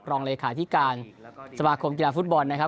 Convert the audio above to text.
รองเลขาธิการสมาคมกีฬาฟุตบอลนะครับ